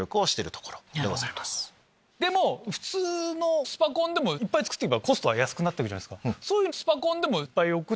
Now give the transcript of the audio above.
でも普通のスパコンでもいっぱい作ってけばコストは安くなっていくじゃないですか。